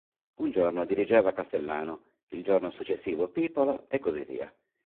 Un giorno dirigeva Castellano, il giorno successivo Pipolo e così via.